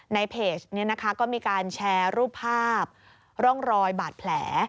ในเพจนี้นะคะก็มีการแชร์รูปภาพร่องรอยบาดแผล